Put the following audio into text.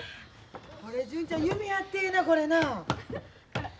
純ちゃん夢あってええなこれな。